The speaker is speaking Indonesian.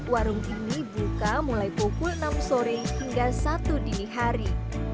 warung ini buka mulai pukul enam sore hingga satu dini hari